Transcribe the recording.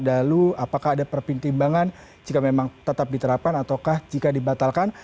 lalu apakah ada perpintimbangan jika memang tetap diterapkan ataukah jika dibatalkan